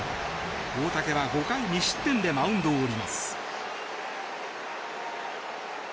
大竹は５回２失点でマウンドを降ります。